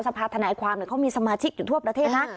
สภาธนายความเขามีสมาชิกอยู่ทั่วประเทศนะ